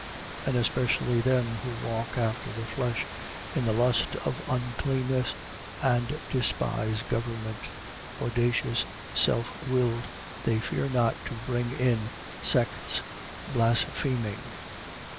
And especially them who walk after the flesh in the lust of uncleanness and despise government: audacious, self willed, they fear not to bring in sects, blaspheming.